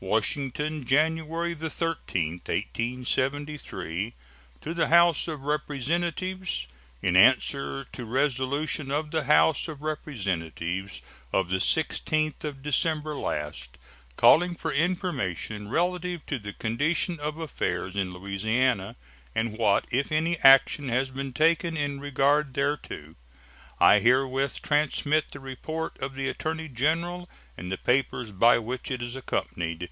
WASHINGTON, January 13, 1873. To the House of Representatives: In answer to resolution of the House of Representatives of the 16th of December last, calling for information relative to the condition of affairs in Louisiana, and what, if any, action has been taken in regard thereto, I herewith transmit the report of the Attorney General and the papers by which it is accompanied.